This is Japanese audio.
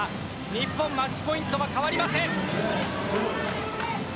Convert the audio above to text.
日本マッチポイントは変わりません。